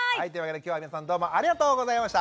今日は皆さんどうもありがとうございました。